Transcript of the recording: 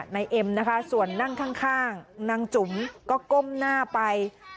เอ็มนะคะส่วนนั่งข้างนางจุ๋มก็ก้มหน้าไป